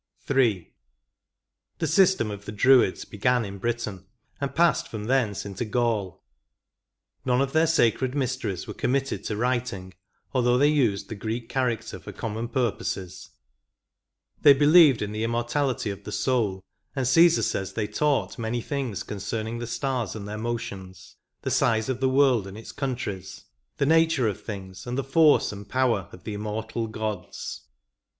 III. The system of the Druids began in Britain^ and passed from thence into Gaul. None of their sacred mysteries were committed to writing, although they used* the Greek character for common purposes: they believed in the im mortality of the soul, and Ceesar says they taught many things concerning the stars and their motions; the size of the world and its countries; the nature of things ; and the force and power of the immortal gods.